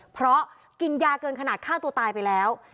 เพราะกินยาเกินขนาดฆ่าตัวตายไปแล้ว